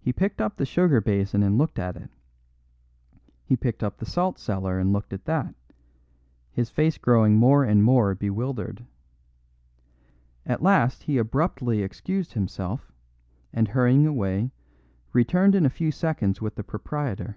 He picked up the sugar basin and looked at it; he picked up the salt cellar and looked at that, his face growing more and more bewildered. At last he abruptly excused himself, and hurrying away, returned in a few seconds with the proprietor.